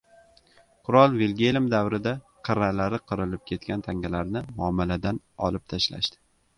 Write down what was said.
Qirol Vilgelm davrida qirralari qirilib ketgan tangalarni muomaladan olib tashlashdi.